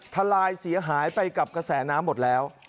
ทลายเสียหายไปกับกระแสน้ำหมดแล้ว